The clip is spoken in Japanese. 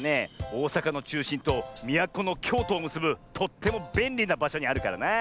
おおさかのちゅうしんとみやこのきょうとをむすぶとってもべんりなばしょにあるからなあ。